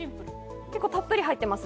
結構たっぷり入っています。